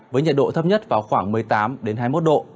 với nhiệt độ thấp nhất vào khoảng một mươi tám hai mươi một độ